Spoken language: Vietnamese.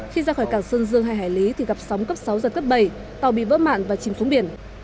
khi ra khỏi cảng sơn dương hai hải lý thì gặp sóng cấp sáu giật cấp bảy tàu bị vỡ mạn và chìm xuống biển